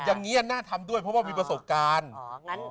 อย่างนี้น่าทำด้วยเพราะว่ามีประสบการณ์